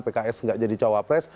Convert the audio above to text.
pks nggak jadi cawapres